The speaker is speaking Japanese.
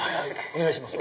お願いします